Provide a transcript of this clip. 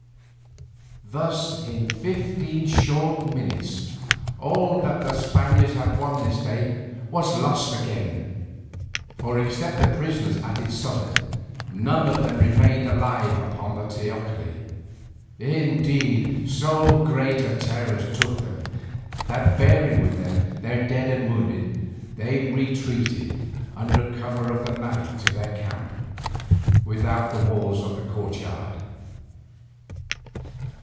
Thus in fifteen short minutes all that the Spaniards had won this day was lost again, for except the prisoners at its summit, none of them remained alive upon the teocalli; indeed so great a terror took them, that bearing with them their dead and wounded, they retreated under cover of the night to their camp without the walls of the courtyard.